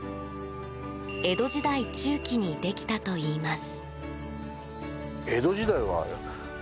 江戸時代中期にできたといいます。